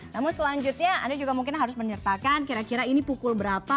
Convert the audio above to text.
namun selanjutnya anda juga mungkin harus menyertakan kira kira ini pukul berapa